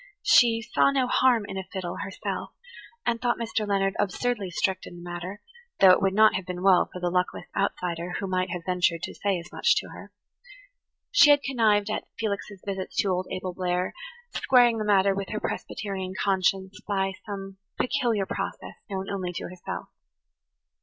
She "saw no harm in a fiddle," herself, and thought Mr. Leonard absurdly strict in the matter, though it would not have been well for the luckless outsider who might have ventured to say as much to her. She had connived at Felix's visits to old Abel Blair, squaring the matter with her Presbyterian conscience by some peculiar process known only to herself.